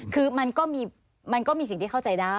คือมันก็มีสิ่งที่เข้าใจได้